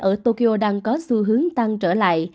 ở tokyo đang có xu hướng tăng trở lại